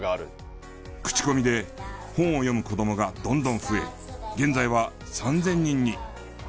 口コミで本を読む子どもがどんどん増え現在は３０００人に。